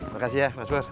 makasih ya mas buar